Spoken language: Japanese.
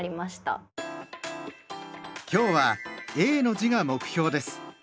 今日は「永」の字が目標です。